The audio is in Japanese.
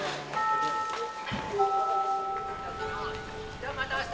じゃあまた明日。